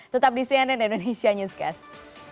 tetap di cnn indonesia newscast